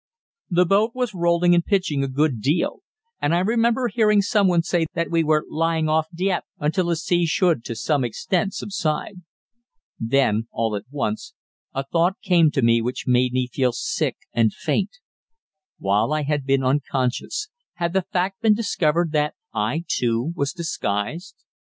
The boat was rolling and pitching a good deal, and I remember hearing someone say that we were lying off Dieppe until the sea should to some extent subside. Then, all at once, a thought came to me which made me feel sick and faint. While I had been unconscious, had the fact been discovered that I too was disguised?